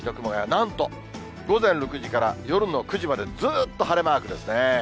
なんと午前６時から夜の９時まで、ずーっと晴れマークですね。